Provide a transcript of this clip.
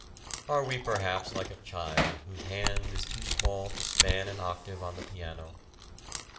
Are we perhaps like a child whose hand is too small to span an octave on the piano?